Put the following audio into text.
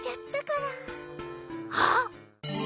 あっ！